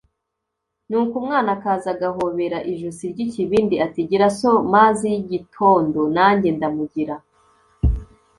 nuko umwana akaza agahobera ijosi ry’ikibindi, ati Gira so, mazi y’igitondo, nanjye ndamugira